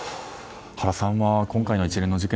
原さん、今回の一連の事件